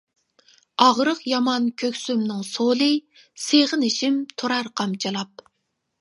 ئاغرىق يامان كۆكسۈمنىڭ سولى، سېغىنىشىم تۇرار قامچىلاپ.